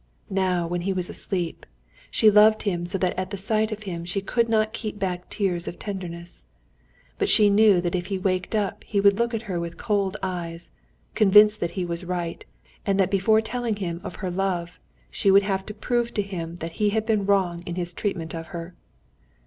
Now when he was asleep, she loved him so that at the sight of him she could not keep back tears of tenderness. But she knew that if he waked up he would look at her with cold eyes, convinced that he was right, and that before telling him of her love, she would have to prove to him that he had been wrong in his treatment of her.